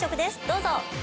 どうぞ。